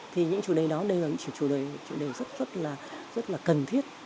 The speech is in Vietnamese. thì những chủ đề đó đều là những chủ đề rất là cần thiết